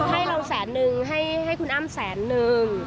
ให้เราแสนนึงให้คุณอ้ำแสนนึง